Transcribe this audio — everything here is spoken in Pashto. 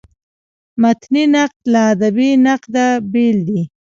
متني نقد له ادبي نقده بېل دﺉ.